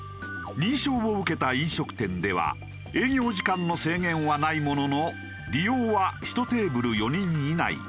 認証を受けた飲食店では営業時間の制限はないものの利用は１テーブル４人以内。